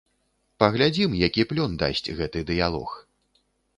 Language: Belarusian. Паглядзім, які плён дасць гэты дыялог.